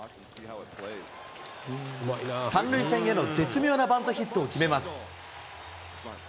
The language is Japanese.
３塁線への絶妙なバントヒットを決めます。